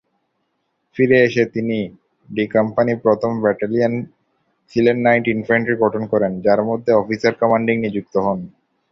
ফিরে এসে তিনি "ডি" কোম্পানি, প্রথম ব্যাটালিয়ন, সিলন লাইট ইনফ্যান্ট্রি গঠন করেন, যার মধ্যে অফিসার কমান্ডিং নিযুক্ত হন।